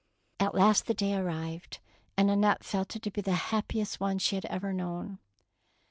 At last the day arrived, and Annette felt it to be the happiest one she had ever known.